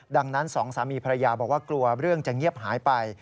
ดังนั้นสองสามีภรรยาบอกว่ากลัวเรื่องจะเงียบหายไป